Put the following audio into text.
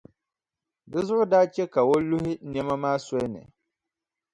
Di zuɣu daa che ka o luhi nɛma maa soli ni.